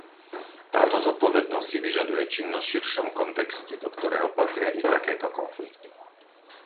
Táto zodpovednosť si vyžaduje činnosť v širšom kontexte, do ktorého patria i takéto konflikty.